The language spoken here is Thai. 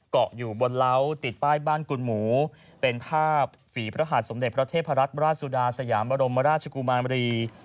เกาะอยู่บนเล้าติดป้ายบ้านกุลหมูเป็นภาพฝีพระหาดสมเด็จพระเทพรัตนราชสุดาสยามบรมราชกุมารมรี